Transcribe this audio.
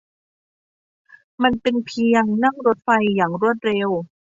มันเป็นเพียงนั่งรถไฟอย่างรวดเร็ว